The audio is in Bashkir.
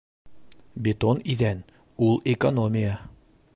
Бетон иҙән - ул экономия!